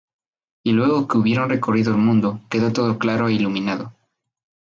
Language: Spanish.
Y luego que hubieron recorrido el mundo, quedó todo claro e iluminado.